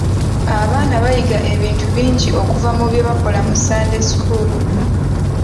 Abaana bayiga ebintu bingi okuva mu bye bakola mu Sunday school.